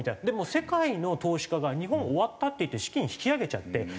でもう世界の投資家が日本終わったっていって資金引き揚げちゃって。